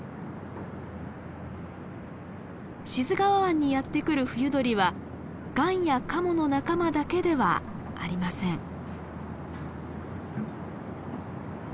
志津川湾にやって来る冬鳥はガンやカモの仲間だけではありません。